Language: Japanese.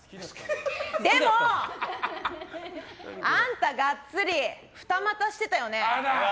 でも、あんたガッツリ二股してたよね。